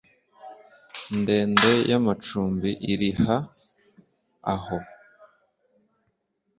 ndende y amacumbi iri ha aho